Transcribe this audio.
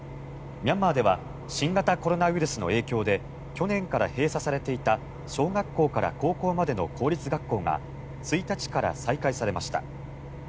ミャンマーでは新型コロナウイルスの影響で去年から閉鎖されていた小学校から高校までの公立学校が１日から再開されました。